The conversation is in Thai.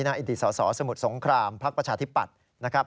อดีตสสสมุทรสงครามพักประชาธิปัตย์นะครับ